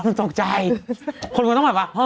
มันตกใจคนมันต้องแบบว่า